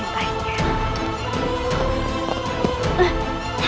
aku sangat mencintai